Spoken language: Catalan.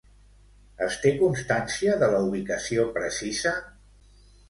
Es té constància de la ubicació precisa?